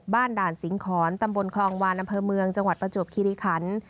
บ้านด่านสิงขรรค์ตำบลคลองวานำเภอเมืองจังหวัดประจบคิริขันศ์